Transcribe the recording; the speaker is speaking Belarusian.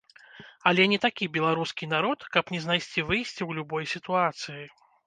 Але не такі беларускі народ, каб не знайсці выйсце ў любой сітуацыі.